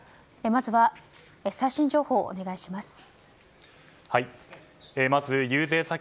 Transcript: まずは最新情報をお願いします。